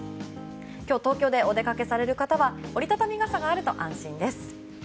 今日、東京でお出かけされる方は折り畳み傘があると安心です。